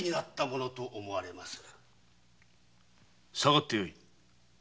下がってよい。